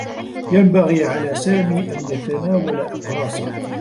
ينبغي على سامي أن يتناول أقراصه.